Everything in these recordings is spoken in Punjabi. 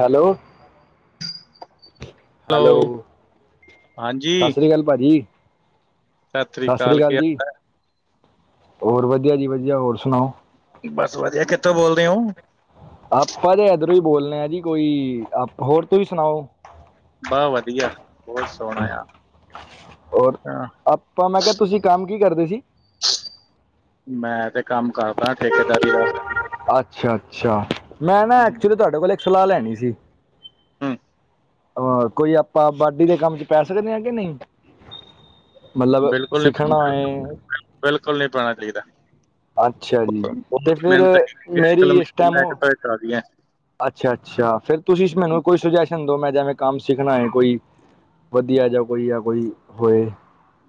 ਹੈਲੋ। ਹੈਲੋ ਸਤਿ ਹਾਂਜੀ ਸ਼੍ਰੀ ਅਕਾਲ ਭਾਜੀ। ਸਤਿ ਸ਼੍ਰੀ ਅਕਾਲ ਕੀ ਹਾਲ ਹੈ। ਹੋਰ ਵਧੀਆ ਜੀ ਵਧੀਆ ਹੋਰ ਸੁਣਾਓ। ਬਸ ਵਧੀਆ ਕਿੱਥੋਂ ਬੋਲਦੇ ਹੋ। ਆਪਾਂ ਤੇ ਏਧਰੋਂ ਹੀ ਬੋਲਣੇ ਆ ਜੀ ਕੋਈ ਹੋਰ ਤੁਸੀਂ ਸੁਣਾਓ। ਬਹੁਤ ਵਧੀਆ ਬਹੁਤ ਸੋਹਣਾ ਆ। ਹੋਰ ਹਾਂ, ਆਪਾਂ ਮੈਂ ਕਿਹਾ ਤੁਸੀਂ ਕੰਮ ਕੀ ਕਰਦੇ ਸੀ। ਮੈਂ ਤੇ ਕੰਮ ਕਰਦਾ ਠੇਕੇਦਾਰੀ ਦਾ। ਅੱਛਾ-ਅੱਛਾ ਮੈਂ ਨਾ ਐਕਚੁਲੀ ਹਮ ਤੁਹਾਡੇ ਕੋਲ ਇੱਕ ਸਲਾਹ ਲੈਣੀ ਸੀ। ਹਾਂ ਕੋਈ ਆਪਾਂ ਬਾਢੀ ਦੇ ਕੰਮ ਚ ਪੈ ਸਕਦੇ ਆ ਕਿ ਨਹੀਂ। ਮਤਲਬ ਬਿਲਕੁਲ ਨੀ ਸਿੱਖਣਾ ਹੈ। ਬਿਲਕੁਲ ਨਹੀਂ ਪੈਣਾ ਚਾਹੀਦਾ। ਅੱਛਾ ਜੀ ਤੇ ਬਹੁਤ ਫਿਰ ਮਿਹਨਤ ਕੀਤੀ ਅੱਜ ਕਲ ਮਸ਼ੀਨਾਂ ਇਕ ਤੋਂ ਇਕ ਆ ਰਹੀਆਂ। ਅੱਛਾ-ਅੱਛਾ ਫੇਰ ਤੁਸੀਂ ਮੈਨੂੰ ਕੋਈ ਸੁਜੈਸ਼ਨ ਦੋ ਮੈਂ। ਮੈਂ ਕੰਮ ਸਿੱਖਣਾ ਹੈ ਕੋਈ ਵਧੀਆ ਜਾਂ ਕੋਈ ਜਾਂ ਕੋਈ ਹੋਏ।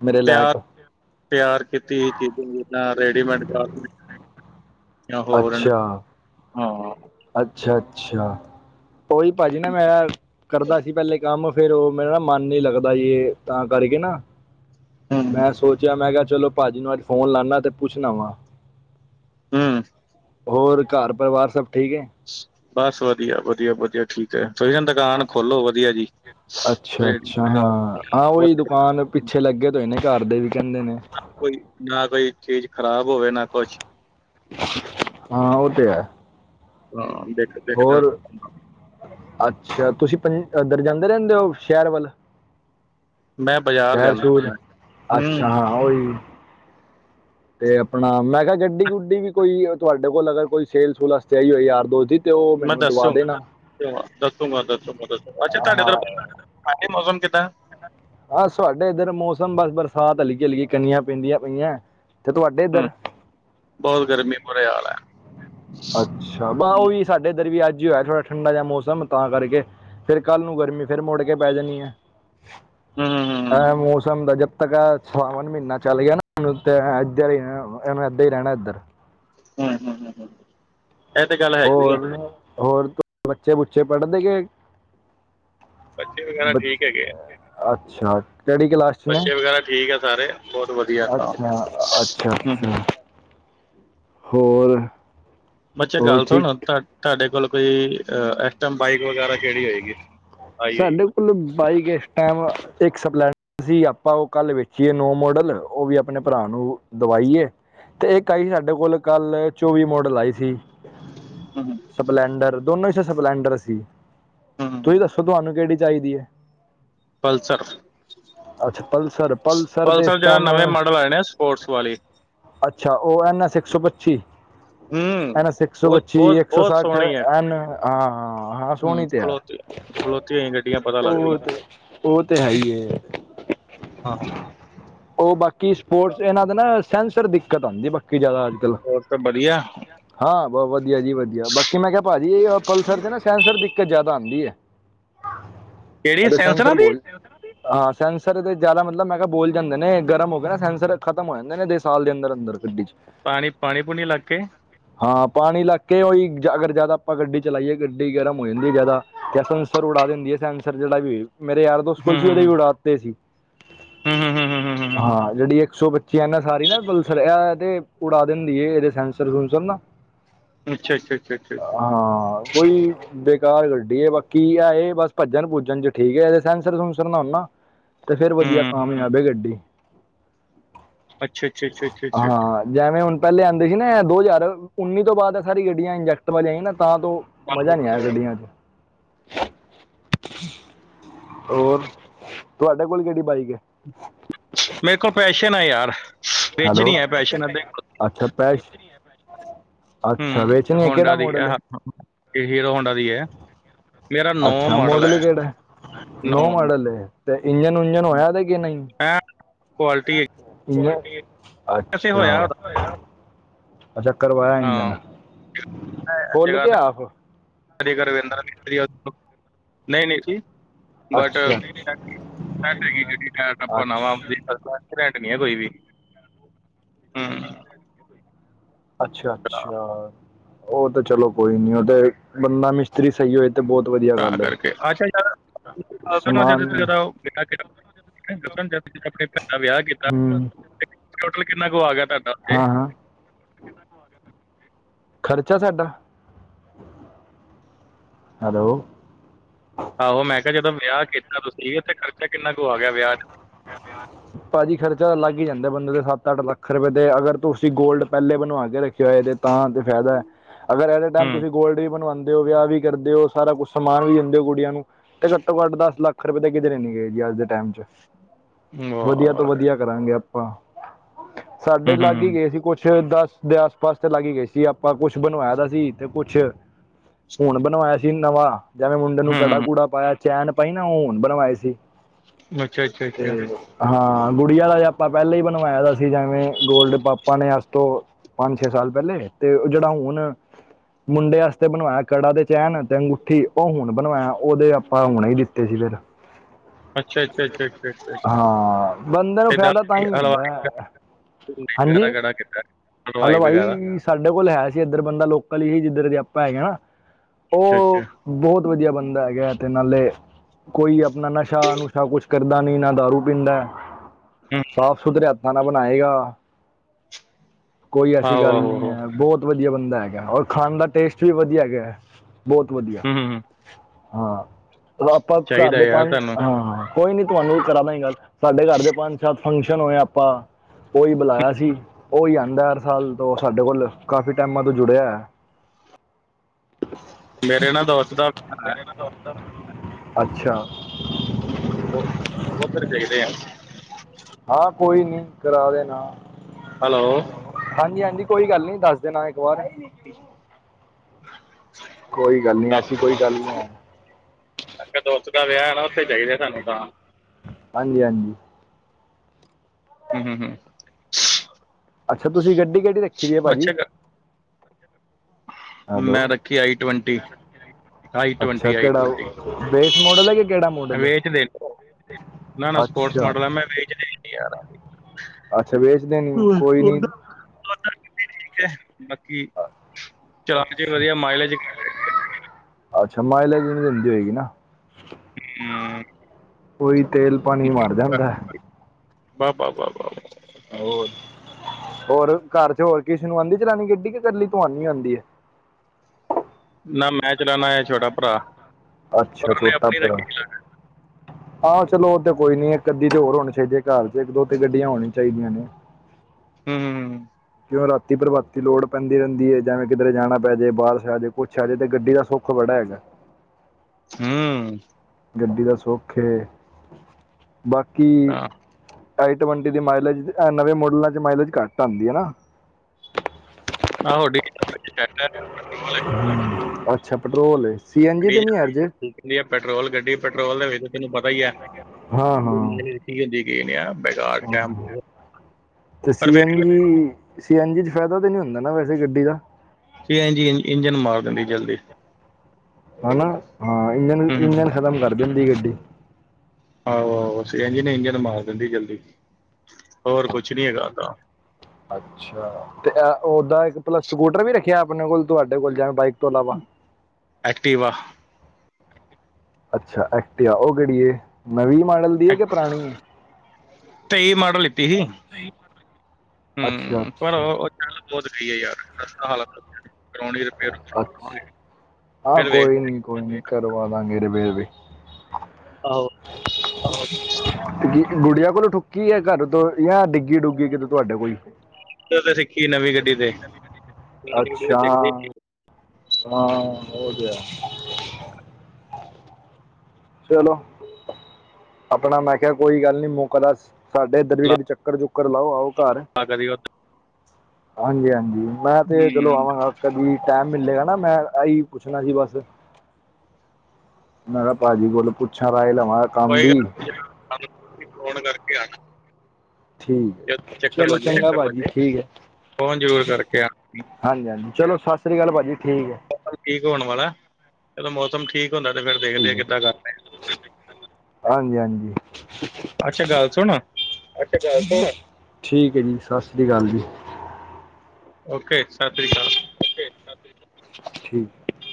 ਮੇਰੇ ਲਾਇਕ ਤਿਆਰ-ਤਿਆਰ ਕੀਤੀ ਸੀ ਚੀਜ਼ਾਂ ਜਨਾ ਰੇਡੀਮੇਡ ਕਾਰ। ਅੱਛਾ। ਹਾਂ। ਅੱਛਾ-ਅੱਛਾ ਉਹੀ ਭਾਜੀ ਨਾ ਮੇਰਾ ਕਰਦਾ ਸੀ ਪਹਿਲੇ ਕੰਮ। ਫੇਰ ਉਹ ਮੇਰੇ ਨਾ ਮਨ ਨੀ ਲੱਗਦਾ ਜ ਤਾਂ ਕਰਕੇ ਨਾ। ਹਮ ਮੈਂ ਸੋਚਿਆ ਮੈਂ ਕਿਹਾ ਚਲੋ ਭਾਜੀ ਨੂੰ ਅੱਜ ਫੋਨ ਲਾਨਾ ਤੇ ਪੁੱਛਣਾ ਵਾ। ਹਮ। ਹੋਰ ਘਰ ਪਰਿਵਾਰ ਸਭ ਠੀਕ ਹੈ। ਬਸ ਵਧੀਆ-ਵਧੀਆ-ਵਧੀਆ ਠੀਕ ਹੈ ਤੁਹੀ ਦੁਕਾਨ ਖੋਲੋ ਵਧੀਆ ਜੀ। ਅੱਛਾ-ਅੱਛਾ ਹਾਂ ਆਹ ਉਹੀ ਦੁਕਾਨ ਪਿੱਛੇ ਲੱਗੇ ਤਾਂ ਹੋਏ ਨੇ ਘਰ ਦੇ ਵੀ। ਕਹਿੰਦੇ ਨੇ ਨਾ ਕੋਈ ਨਾ ਕੋਈ ਚੀਜ਼ ਖ਼ਰਾਬ ਹੋਵੇ ਨਾ ਕੁਛ। ਹਾਂ ਉਹ ਤੇ ਹੈ। ਹੋਰ [unintelligible] ਅੱਛਾ ਤੁਸੀਂ ਪੰ ਇਧਰ ਜਾਂਦੇ ਰਹਿੰਦੇ ਹੋ ਸ਼ਹਿਰ ਵੱਲ। ਮੈਂ ਬਾਜ਼ਾਰ ਸ਼ਹਿਰ ਜਾਂਦਾ ਸ਼ੂਰ ਹੁਨਾ ਅੱਛਾ ਹੂੰ ਹਾਂ ਓਹੀ। ਤੇ ਆਪਣਾ ਮੈਂ ਕਿਹਾ ਗੱਡੀ ਗੁੱਡੀ ਵੀ ਕੋਈ ਤੁਹਾਡੇ ਕੋਲ ਅਗਰ ਕੋਈ ਸੇਲ ਸੂਲ ਆਸਤੇ ਆਈ ਹੋ ਯਾਰ ਦੋਸਤ ਦੀ। ਤੇ ਉਹ ਮੈਨੂੰ ਦਵਾ ਦੇਣਾ। ਦੱਸਗਾ ਦ ਦੱਸ ਅੱਛਾ ਤੁਹਾਡੇ ਸਾੇ ਮ ਕਿ ਹਾਂ ਤੁਹਾਡੇ ਇੱਧਰ ਮੌਸਮ ਬਸ ਬਰਸਾਤ ਹਲੀਕ ਹਲਕ ਕੰਨੀਆਂ ਪੈਂਦੀਆਂ ਪਈਆਂ ਤੇ ਤੁਹਾਡੇ ਹਮ ਇਧਰ ਬਹੁਤ ਗਰਮੀ ਬੁਰ ਹਾਲ ਹੈ ਅੱਛਾ ਵ ਉਹੀ ਸਾਡੇ ਇੱਧਰ ਵੀ ਅੱਜ ਹੀ ਹੋਇਆ ਥੋੜਾ ਠੰਡਾ ਜਾਂ ਮੌਸਮ ਤਾਂ ਕਰਕੇ ਫੇਰ ਕੱਲ੍ਹ ਨੂੰ ਗਰਮੀ ਫਿਰ ਮੁੜ ਕੇ ਪੈ ਜਾਂਣੀ ਹੈ ਹੂੰ ਹੂੰ ਹੂੰ ਅ ਮੌਸਮ ਦਾ ਜ ਛਵਨ ਮਹੀਨਾ ਚੱਲ ਗਿਆ ਨਾ ਤੇ ਇੱਧਰ ਹੀ ਇਹਨੂੰ ਇਏਦਾਂ ਹੀ ਰਹਿਣਾ ਇਏਧਰ ਹਮ ਹਮ ਇਹ ਤੇ ਗੱਲ ਹੈਗੀ ਆ ਹੋਰ ਹੋਰ ਬੱਚੇ ਬੁੱਛੇ ਪੜ੍ਹ ਦੇ ਕੇ ਬੱਚੇ ਵਗੈਰਾ ਠੀਕ ਹੈਗੇ ਸ਼ਛਕ ਟਡੀ ਕਲਾਸ ਚ ਨੇ ਬੱਚੇ ਵਗੈਰਾ ਠੀਕ ਆ ਸਾਰੇ ਬਹੁਤ ਵਧੀਆ ਤਾਂ। ਅੱਛਾ ਅੱਛਾ ਹੂੰ ਅੱਛਾ ਹੋਰ ਬੱਚਾ ਹੋਰ ਗੱਲ ਠੀਕ ਸੁਣ ਤੁਹਾਡੇ ਕੋਲ ਕੋਈਟਮ ਬਾਈਕ ਵਗੈਰਾ ਕਿਹੜੀ ਹੋਏਗੀ ਆਈ ਹੋਈ ਸਾਡੇ ਕੋਲ ਬਾਈਕ ਇਸ ਟਾਈਮ ਇੱਕ ਸਪਲੈ ਅਸੀਂ ਆਪਾਂ ਉਹ ਕੱਲ ਵੇਚੀਏ ਨੋ ਮੋਡਲ ਉਹ ਵੀ ਆਪਣੇ ਭਰਾ ਨੂੰ ਦਵਾਈਏ ਤੇ ਇਹ ਕਾਈ ਸਾਡੇ ਕੋਲ ਕੱਲ ਚੌਵੀ ਮੋਡਲ ਆਈ ਸੀ ਹੂੰ ਸਪਲੈਂਡਰ ਦੋਨੋ ਹੀ ਸਪਲੈਂਡਰ ਸੀ ਹੂੰ ਹੂੰ ਤੁਸੀਂ ਹੂੰ ਦੱਸੋ ਤੁਹਾਨੂੰ ਕਿਹੜੀ ਚਾਹੀਦੀ ਹੈ? ਪਲਸਰ ਅੱਛਾ ਪਲਸਰ, ਪਲਸਰ ਤੇ ਇਸ ਜਿਹੜਾ ਟਾਈਮ ਨਵੇਂ ਮਾਡਲ ਆਏ ਨੇ ਸਪੋਰਟਸ ਵਾਲੀ ਅੱਛਾ, ਉਹ ਐਨ-ਸ-ਇੱਕ-ਸੌ-ਪੱਚੀ ਹੂੰ ਬਹੁਤ ਐਨ-ਸ-ਏਕ-ਸੌ-ਪੱਚੀ, ਬਹੁਤ ਬਹੁਤ ਇੱਕ-ਸੌ-ਸਾਠ, ਸੋਹਣੀ ਹੈ ਐਨ ਹਾਂ-ਹਾਂ, ਹਾਂ ਹੂੰ ਸੋਹਣੀ ਤੇ ਆ ਖਲੋਤੀ ਖਲੋਤੀ ਹੋਈ ਗੱਡੀਆਂ ਪਤਾ ਲੱਗਦੀਆਂ ਉਹ ਤੇ, ਉਹ ਤੇ ਹੈ ਏ। ਹਾਂ ਉਹ ਬਾਕੀ ਸਪੋਰਟਸ, ਇਹਨਾਂ ਦੇ ਨਾ ਸੈਂਸਰ ਦਿੱਕਤ ਆਉਂਦੀ ਬਾ ਕੀ ਜ਼ਿਆਦਾ ਅੱਜ-ਕੱਲ? ਆਹ ਹਾਂ, ਬਹੁ ਵਧੀਆ ਜੀ ਵਧੀਆ। ਬਾਕੀ ਮੈਂ ਕਿਹਾ ਭਾਜੀ, ਪਲਸਰ ਦੇ ਨਾ ਸੈਂਸਰ ਦਿੱਕਤ ਜ਼ਿਆਦਾ ਆਉਂਦੀ ਹੈ। ਅ ਕਿਹੜੀ ਤੇ ਸੈਂਸਰਾਂ ਸੈਂਸਰ ਦੀ ਬੋਲ? ਹਾਂ। ਸੈਂਸਰ ਤਾਂ ਜ਼ਿਆਦਾ ਮਤਲਬ ਮੈਂ ਕਿਹਾ ਬੋਲ ਜਾਂਦੇ ਨੇ, ਗਰਮ ਹੋ ਗਏ ਨਾ ਸੈਂਸਰ ਖਤਮ ਹੋ ਜਾਂਦੇ ਨੇ, ਦੋ ਸਾਲ ਦੇ ਅੰਦਰ-ਅੰਦਰ ਗੱਡੀ 'ਚ। ਪਾਣੀ-ਪਾਣੀ, ਪੂਣੀ ਲੱਗ ਕੇ? ਹਾਂ ਪਾਣੀ ਲਗਕੇ ਹੋਈ ਅਗਰ ਜ਼ਿਆਦਾ ਆਪਾਂ ਗੱਡੀ ਚਲਾਈਏ ਗੱਡੀ ਗਰਮ ਹੋ ਜਾਂਦੀ ਜ਼ਿਆਦਾ ਯਾਤ ਅਂ -ਆ ਦਿੰਦੀ ਹੈ ਸੈਂਸਰ ਜਿਹੜਾ ਵੀ। ਮੇਰੇ ਯਾਰ-ਦੋਸਤ ਕੋਲ ਹੂੰ ਸੀ, ਉਹਦੇ ਹੂੰ ਵੀ ਉਡਾ ਦਿੱ ਤੇ ਸੀ। ਹੂੰ ਹੂੰ ਹੂੰ ਹੂੰ ਹੂੰ ਹੂੰ ਹੂੰ ਹਾਂ, ਜਿਹੜੀ ਇੱਕ-ਸੌ-ਪਚ ਚੈਨਾਂ ਸਾਰੀ ਨਾ ਏ ਪਲਸਰ, ਏ ਤੇ ਉਡਾ ਦਿੰਦੀ ਏ ਇਹਦੇ ਸੈਂਸਰ-ਸੁਸਰ ਨਾ। ਅੱਛਾ ਅੱਛਾ ਅੱਛਾ ਅੱਛਾ ਅੱਛਾ ਹਾਂ, ਕੋਈ ਦੇਖ ਸਟਾਰ ਗੱਡੀ ਹੈ, ਬਾਕੀ ਆ ਇਹ ਬਸ ਭੱਜਣ-ਭੂਜਣ ਚ ਠੀਕ ਹੈ, ਏਹਦੇ ਸੈਂਸਰ-ਸੁਂਸਰ ਨਾ ਹੋਨ ਨਾ ਤੇ ਫੇਿਰ ਵਧੀਆ ਹੂੰ ਕਾਮਯਾਬ ਹੈ ਗੱਡੀ। ਅੱਛਾ ਅੱਛਾ ਅੱਛਾ ਅੱਛਾ ਅੱਛਾ ਹਾਂ, ਜੈਵੇਂ ਹੁਣ ਪਹਿਲੇ ਆਉਂਦੇ ਸੀ ਨਾ, ਦੋ ਹਜ਼ਾਰ ਉੱਨੀ ਤੋਂ ਬਾਅਦ ਇਹ ਸਾਰੀ ਗੱਡੀਆਂ ਇੰਜੈਕਟ ਵਾਲੀਆਂ ਆਈ ਨਾ ਤਾਂ ਤੋ ਮਜ਼ਾ ਨਹੀਂ ਆਇਆ ਅੱਛਾ ਗੱਡੀਆਂ ਚ ਹੋਰ, ਤੁਹਾਡੇ ਕੋਲ ਕਿਹੜੀ ਬਾਈਕ ਹੈ? ਮੇਰੇ ਕੋਲ ਪੈਸ਼ਨ ਹੈ ਯਾਰ। ਵਿੱਚ ਹੈਲੋ ਨੀ ਹੈ ਪੈਸ਼ਨ। ਅ ਦੇਖੋ। ਅੱਛਾ ਪੈਸ਼ ਅੱਛਾ ਹੁਂ, ਵੇਚਣੀ ਹੈ ਕਿਹੜਾ ਹੋਂਡਾ ਦੀ, ਮਾਡਲ ਹੈ ਇਹ ਹੀਰੋ ਹੋਂਡਾ ਦੀ ਹੈ। ਮੇਰਾ ਨੌ ਅੱਛਾ, ਮਾਡਲ ਮੋਡਲ ਹੈ ਕਿਹੜਾ? ਨੋ ਨੌ ਮਾੱਡਲ ਏ। ਤੇ ਇੰਜਨ-ਉੰਜਨ ਹੋਇਆ ਤੇ ਕਿ ਨਹੀਂ। ਐ ਕੁਆਲਿਟੀ ਐਸੇ ਅੱਛਾ। ਹੋਇਆ ਉਹਦਾ ਅੱਛਾ ਕਰਵਾਇਆ ਇੰਜਨ ਹਾਂ, [unintelligible] ਏ ਫੁੱਲ ਕੇ ਆਫ ਜਗਾਪਰੀ [unintelligible] ਨਾ ਮਿਸਤਰੀ, [unintelligible] ਨਹੀਂ-ਨਹੀਂ ਜੀ। [unintelligible] ਨਹੀਂ ਅੱਛਾ ਅੱਛਾ ਹੈ ਕੋਈ ਵੀ। ਹੁਂ। ਅੱਛਾ-ਅੱਛਾ, ਉਹ ਤੇ ਚਲੋ ਕੋਈ ਨਹੀਂ। ਉਹ ਤੇ ਬੰਦਾ ਮਿਸਤਰੀ ਸਹੀ ਹ ਤਾਂ ਕਰਕੇ। ਅੱਛਾ ਯਾਰਾ ਆਪਣੋ ਜਾਂਦਾ ਸਮਾਨ ਤੋਂ ਜਾਂਦਾ ਓ [unintelligible] ਆਪਣੇ ਭੈਣ ਦਾ ਵਿਆਹ ਕੀਤਾ [inaudible] ਫਿਰ ਕਿੰਨਾ ਕੁ ਆ ਗਿਆ? ਤੁਹਾਡਾ ਉੱਤੇ ਹਾਂ-ਹਾਂ, ਖਰਚਾ ਸਾਡਾ? ਹੈਲੋ। ਆਹੋ ਮੈਂ ਕਿਹਾ ਜਦੋਂ ਵਿਆਹ ਕੀਤਾ ਤੁਸੀਂ, ਤੇ ਖਰਚਾ ਕਿੰਨਾ ਕੁ ਆ ਗਿਆ ਵਿਆਹ ਚ? ਧ ਭਾਜੀ, ਖਰਚਾ ਲੱਗ ਹੀ ਜਾਂਦਾ ਬੰਦੇ ਦੇ ਸੱਤ-ਅਠ ਲੱਖ ਰੁਪਏ ਤੇ ਅਗਰ ਤੁਸੀਂ ਗੋਲਡ ਪਹਿਲੇ ਬਣਵਾ ਕੇ ਰੱਖ ਹੋਯਾ ਤੇ। ਤਾਂ ਤੇ ਫਾਇਦਾ ਹ। ਅਗਰ ਐਟੇ ਟਾਈਮ ਹੂੰ ਤੁਸੀਂ ਗੋਲਡ ਵੀ ਬਣਵਾਂਦੇ ਹੋ ਤੇ ਵਿਆਹ ਵੀ ਕਰ ਦਿਓ ਸਾਰਾ ਕੁਝ ਸਮਾਨ ਵੀ ਦਿਨ ਦੇ ਉਹ ਗੁੜੀਆਂ ਨੂੰ ਤੇ ਘੱਟੋ-ਘੱਟ ਦੱਸ ਲੱਖ ਰੁਪਏ ਤੇ ਕਿਧਰੇ ਨਹੀਂ ਗਏ ਜ ਅੱਜ ਦੇ ਟਾਈਮ ਚ। ਵਧੀਆ ਤੋਂ ਵਾਹ ਵਧੀਆ ਕਰਾਂਗੇ ਅਪ ਆਪਾਂ। ਸਾਡੇ ਹੂੰ ਹੂੰ ਲੱਗ ਹੀ ਹੂੰ ਗਏ ਸੀ ਕੁਝ ਦੱਸ- ਦੇ ਆਸ ਪਾਸ ਤੇ ਲੱਗ ਗਈ ਸੀ। ਆਪਾਂ ਕੁਛ ਬਣਵਾਤਆ ਸੀ ਤੇ ਕੁਛ ਹੁਣ ਬਣਵਾਇਆ ਜੀ ਨਵਾਂ। ਜੈਵੇਂ ਮੁੰਡੇ ਨੂੰ ਹੂੰ ਹੂੰ, ਕੜਾ-ਕੁੜਾ ਪਾਇਆ ਚੈਨ ਪਾਈ ਨਾ ਉਹ ਹੁਣ ਬਣਵਾਏ ਸੀ। [inaudible] ਤੇ ਹਾਂ ਗੁੜੀਆ ਦਾਸ ਜੀ ਆਪਾਂ ਪਹਿਲੇ ਬਣਵਾਇਆ ਸੀ ਜਿਵੇਂ ਗੋਲਡ ਪਾਪਾ ਨੇ ਅੱਜ ਤੋਂ ਪੰਜ ਛੇ ਸਾਲ ਪਹਿਲੇ। ਤੇ ਜਿਹੜਾ ਹੁਣ ਮੁੰਡੇ ਵਾਸਤੇ ਬਣਾਇਆ ਕੜਾ ਤੇ ਚੈਨ ਤੇ ਅੰਗੂਠੀ ਉਹ ਹੁਣ ਬਣਵਾਇਆ ਉਹਦੇ ਆਪਾਂ ਹੁਣੇ ਹੀ ਦਿੱਤੇ ਸੀ। [inaudible] ਅੱਛਾ ਅੱਛਾ ਅੱਛਾ ਅੱਛਾ ਅੱਛਾ ਅੱਛਾ। ਹਾਂ ਬੰਦੇ ਨੂੰ ਤੇ ਦਾਲ ਫਾਇਦਾ ਤਾਂ ਹੀ ਹੁੰਦਾ। ਹਲਵਾਈ ਦਾ ਵਗੈਰਾ ਹਾਂਜੀ ਕਿਹੜਾ ਕੀਤਾ ਵਗੈਰਾ ਹਲਵਾਈ ਸਾਡੇ ਕੋਲ ਹੈ ਸੀ ਇਧਰ ਬੰਦਾ ਲੋਕਲ ਜਿੱਧਰ ਆਪਾਂ ਹੈਗੇ ਆ ਨਾ ਅੱਛਾ ਅੱਛਾ ਉਹ ਬਹੁਤ ਵਧੀਆ ਬੰਦਾ ਤੇ ਨਾਲੇ ਕੋਈ ਆਪਣਾ ਨਸ਼ਾ ਨੁਸ਼ਾ ਕੁਝ ਕਰਦਾ ਨਹੀਂ ਨਾ ਦਾਰੂ ਪੀਂਦਾ ਹੂੰ ਸਾਫ ਸੁਥਰੇ ਹੱਥ ਥਾਂ ਨਾਲ ਬਣਾਏਗਾ ਕੋਈ ਐਸੀ ਆਹੋ ਗੱਲ ਆਹੋ ਨਹੀਂ ਆਹੋ ਹੈ ਬਹੁਤ ਵਧੀਆ ਬੰਦਾ ਹੈਗਾ ਹੋਰ ਖਾਣ ਦਾ ਟੇਸਟ ਵੀ ਵਧੀਆ ਹੈਗਾ ਬਹੁਤ ਵਧੀਆ ਹੂੰ ਹੂੰ ਹਾਂ ਆਪਾਂ ਘਰ ਚਾਹੀਦਾ ਦੇ ਯਾਰ ਤੁਹਾਨੂੰ ਕੋਈ ਨਹੀਂ ਤੁਹਾਨੂੰ ਕਰਾਦਾ ਗੱਲ ਸਾਡੇ ਘਰ ਦੇ ਪੰਜ ਸੱਤ ਫੰਕਸ਼ਨ ਹੋਏ ਆਪਾਂ ਉਹ ਇਹ ਬੁਲਾਇਆ ਸੀ ਉਹ ਆਂਦਾ ਹਰ ਸਾਲ ਉਹ ਸਾਡੇ ਕੋਲ ਕਾਫੀ ਟਾਈਮ ਤੋਂ [inaudible] ਮੇਰੇ ਨਾ ਦੋਸਤ ਦਾ [inaudible] ਅੱਛਾ ਉਧਰ ਗਏ ਨੇ ਹਾਂ ਕੋਈ ਨਹੀਂ ਕਰਾ ਦੇਣਾ ਹੈਲੋ ਹਾਂਜੀ ਹਾਂਜੀ ਕੋਈ ਗੱਲ ਨਹੀਂ ਦੱਸ ਦੇਣਾ ਇਕ ਵਾਰ ਕੋਈ ਗੱਲ ਨਹੀਂ ਐਸੀ ਕੋਈ ਗੱਲ ਨਹੀਂ ਹੈ ਅੱਗੇ ਦੋਸਤ ਦਾ ਵਿਆਹ ਹੈ ਨਾ ਉੱਥੇ ਚਾਹੀਦਾ ਸਾਨੂੰ ਤਾਂ ਹਾਂਜੀ ਹਾਂਜੀ ਹਮ ਹਮ ਹਮ ਅੱਛਾ ਤੁਸੀਂ ਗੱਡੀ ਕਿਹੜੀ ਰੱਖੀ ਹੋਈ ਹੈ ਭਾਜੀ ਮੈਂ ਹੈਲੋ ਰੱਖੀ ਹ ਆਈ-ਟਵੰਟੀ ਆਈ ਅੱਛਾ ਟਵੰਟੀ ਆਈ ਕਿਹੜਾ ਟਵੰਟੀ ਬੇਸ ਮਾਡਲ ਹੈ ਕਿ ਕਿਹੜਾ ਮਾਡਲ ਹੈ ਵੇਚ ਦੇ ਨਾ ਨਾ ਸਪੋਰਟਸ ਅੱਛਾ ਮਾਡਲ ਮੈਂ ਵੇਚ ਦੇਣੀ ਹ ਯਾਰਾ ਅੱਛਾ ਵੇਚ ਦੇਣੀ ਹ ਕੋਈ ਨਹੀਂ [inaudible] [unintelligible] ਚਲਾ ਜੇ ਵਧੀਆ ਮਾਈਲੇਜ ਅੱਛਾ-ਅੱਛਾ ਮਾਈਲੇਜ ਨੂੰ ਦਿੰਦੀ ਹੋਏਗੀ ਨਾ ਹੂੰ ਕੋਈ ਤੇਲ ਪਾਣੀ ਮਰ ਜਾਂਦਾ। ਬਾਹ-ਬਾਹ-ਬਾਹ-ਬਾਹ ਹੋਰ ਹੋਰ ਘਰ ਚ ਹੋਰ ਕਿਸ ਨੂੰ ਆਂਦੀ ਚੱਲਾਣੀ ਗੱਡੀ ਕ ਕਲੀ ਤੁਆਨੂੰ ਈ ਆਂਦੀ ਐ ਨਾ ਮੈਂ ਚਲਾਣਾ ਐ ਛੋਟਾ ਭਰਾ ਪਰ ਅੱਛਾ ਉਹਨੇ ਛੋਟਾ ਆਪਣੀ ਪਰਾ। ਰੱਖੀ ਆਹੋ ਚਲੋ ਓ ਤੇ ਕੋਈ ਨੀ ਇੱਕ ਅੱਧੀ ਤੇ ਚ ਹੋਰ ਹੋਣੀ ਚਾਈਦੀ ਘਰ ਚ ਇੱਕ ਦੋ ਤੇ ਗੱਡੀਆਂ ਹੋਣੀਆਂ ਚਾਈਦੀਆਂ ਨੇ ਹੂੰ ਕਿਂ ਰਾਤੀ ਪ੍ਰਭਾਤੀ ਲੋੜ ਪੈਂਦੀ ਰਹਿੰਦੀ ਐ ਜੈਵੇ ਕਿਧਰ ਜਾਣਾ ਪੈ ਜੇ ਬਾਰਿਸ਼ ਆ ਜੇ ਕੁੱਛ ਆ ਜੇ ਤੇ ਗੱਡੀ ਦਾ ਸੁੱਖ ਬੜਾ ਹੈਗਾ। [inaudible] ਹੂੰ ਗੱਡੀ ਦਾ ਸੁੱਖ ਏ ਬਾਕੀ ਹਾਂ ਆਈ ਟਵੰਟੀ ਦੀ ਮਾਈਲੇਜ ਨਵੇਂ ਮੋਡਲਾਂ ਚ ਮਾਈਲੇਜ ਘੱਟ ਆਂਦੀ ਐ ਨਾ। ਆਹ [unintelligible] ਅੱਛਾ ਪਟਰੋਲ ਏ ਗੱਡੀ ਜਾ ਪੈਟਰੋਲ ਗੱਡੀ ਪੈਟਰੋਲ ਦੇ ਵਿੱਚ ਤੈਨੂੰ ਪਤਾ ਈ ਐ। ਹਾਂ ਹਾਂ [unintelligible] ਨੇ ਆ ਬੇਕਾਰ ਟਾਈਮ ਤੇ ਪਰ ਸੀ ਐਨ ਫਿਰ ਵੀ ਜੀ ਸੀ ਐਨ ਜੀ ਚ ਫੈਦਾ ਤੇ ਨੀ ਹੁੰਦਾ ਨਾ ਵੈਸੇ ਗੱਡੀ ਦਾ ਸੀ ਐਨ ਜੀ ਇੰਜਣ ਮਾਰ ਦਿੰਦੀ ਜਲਦੀ। ਹਨਾ ਹੂੰ ਹਾਂ ਇੰਜਣ ਇੰਜਣ ਖ਼ਤਮ ਕਰ ਦਿੰਦੀ ਗੱਡੀ ਸੀ ਐਨ ਜੀ ਨੇ ਇੰਜਨ ਮਾਰ ਦਿੰਦੀ ਜਲਦੀ ਹੋਰ ਕੁੱਛ ਨੀ ਹੈਗਾ ਓਦਾ। ਅੱਛਾ ਤੇ ਅ ਓਦਾਂ ਇੱਕ ਪਲ ਸਕੂਟਰ ਵੀ ਰੱਖਿਆ ਆਪਣੇ ਕੋਲ ਤੁਹਾਡੇ ਕੋਲ ਜਾਂ ਬਾਈ ਐਕਟੀਵਾ। ਅੱਛਾ ਐਕਟੀਵਾ ਓ ਕੇਡੀ ਏ ਨਵੀਂ ਮਾਡਲ ਦੀ ਏ ਕੇ ਪੁਰਾਣੀ ਏ। ਤੇਈ ਮਾਡਲ ਲਿੱਤੀ ਸੀ ਅੱਛਾ ਹੂੰ ਪਰ ਅੱਛਾ ਬੋਤ ਗਈ ਐ ਯਾਰ ਰਸਤਾ ਹਾਲ [inaudible] ਅੱਛ ਹਾਂ ਫਿਰ ਵੇਖ ਕੋਈ ਨੀ ਕੋਈ ਨੀ ਕਰਵਾ ਲਾਗੇ ਰਿਪੇਅਰ। ਆਹੋ ਗੁੱਡੀਆ ਕੋਲ ਠੁੱਕੀ ਆ ਘਰ ਤੋਂ ਜਾਂ ਡਿੱਗੀ ਡੁੱਗੀ ਕਿਤੇ ਤੁਹਾਡੇ ਕੋਲ ਈ ਤੇ ਸਿੱਖੀ ਨਵੀਂ ਗੱਡੀ ਤੇ ਅੱਛਾ। ਸਿੱਖਦੀ ਹਾਂ ੳਹ ਤੇ ਹੈ। ਚਲੋ। ਆਪਣਾ ਮੈਂ ਕਿਆ ਕੋਈ ਗੱਲ ਨੀ ਮੌਕਾ ਦਾ ਸਾਡੇ ਇੱਧਰ ਵੀ ਕਦੀ ਚੱਕਰ ਚੁੱਕਰ ਲਾਓ ਆਓ। ਹਾਂ ਕਦੀ ਓ ਹਾਂਜੀ-ਹਾਂਜੀ ਮੈਂ ਤੇ ਚਲੋ ਹੂੰ ਆਵਾਂਗਾ ਕਦੀ ਟੈਮ ਮਿਲੇਗਾ। ਨਾ ਮੈਂ ਆਈ ਪੁੱਛਣਾ ਸੀ ਬਸ ਮੈਂ । ਭਾਜੀ ਕੋਲ ਪੁੱਛਾਂ ਰਾਏ ਲ ਕੋਈ ਗੱਲ ਨੀ ਸਾਨੂੰ ਤੁਸੀ ਫੋਨ ਕਰਕੇ ਆਣਾ ਜੇ ਠੀਕ ਚੱਕਰ ਚਲੋ ਲੱਗੇ ਚੰਗਾ ਭਾਜੀ ਠੀਕ ਐ। ਫੋਨ ਜ਼ਰੂਰ ਕਰਕੇ ਆਣਾ ਹਾਂਜੀ-ਹਾਂਜੀ ਚਲੋ ਸਤਿ ਸ੍ਰੀ ਅਕਾਲ ਭਾਜੀ। ਠੀਕ ਹੈ ਮੌਸਮ ਠੀਕ ਹੋਣ ਵਾਲਾ ਚਲੋ ਮੌਸਮ ਠੀ ਹੁੰਦਾ ਤੇ ਫੇਰ ਦੇਖਦੇ ਆ ਠੀਕ ਹੈ ਕਿੱਦਾਂ ਕਰਨੇ ਆ। ਹਾਂਜੀ ਹਾਂਜੀ [inaudible] ਅੱਛਾ ਗੱਲ ਸੁਣ ਠੀਕ ਐ ਜੀ ਸਤਿ ਸ਼੍ਰੀ ਅਕਾਲ ਜੀ। ਓਕੇ ਸਤਿ ਸ੍ਰੀ ਠੀਕ ਅਕਾਲ ਓਕੇ ਸਤਿ ਸ਼੍ਰੀ ਆਕਾਲ ਠੀਕ [inaudible]